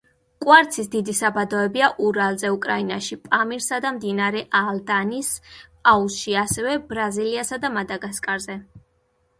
კვარცის დიდი საბადოებია ურალზე, უკრაინაში, პამირსა და მდინარე ალდანის აუზში, ასევე ბრაზილიასა და მადაგასკარზე.